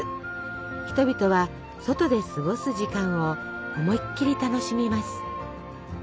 人々は外で過ごす時間を思いっきり楽しみます。